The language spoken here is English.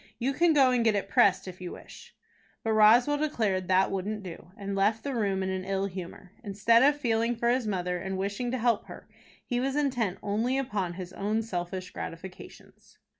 You can go and get it pressed if you wish." But Roswell declared that wouldn't do, and left the room in an ill humor. Instead of feeling for his mother, and wishing to help her, he was intent only upon his own selfish gratifications.